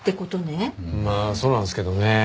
まあそうなんですけどね。